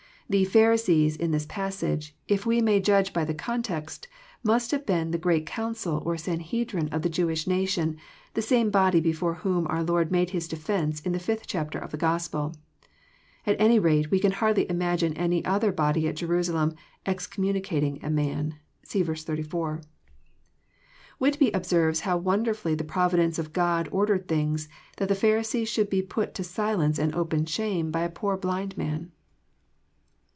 The " Pharisees " in this passage, if we may judge by the context, must have been the great council, or Sanhedrim, of the Jewish nation, the same body before whom our Lord made His defence, in the fifth chapter of this Gospel. At any rate, we can hardly imagine any other body at Jerusalem '^ excommuni cating" a man. (See verse 34.) Whitby observes how wonderfully the providence of God or dered things, that the Pharisees should be put to silence and open shame by a poor blind man